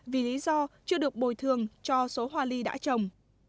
vì lý do chưa được bồi thường cho số hoa ly đã trồng